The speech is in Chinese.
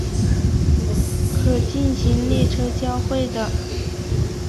可进行列车交会的。